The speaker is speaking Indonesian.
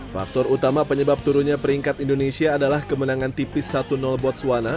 faktor utama penyebab turunnya peringkat indonesia adalah kemenangan tipis satu botswana